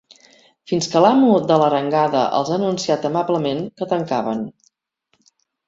Fins que l'amo de l'Arengada els ha anunciat amablement que tancaven.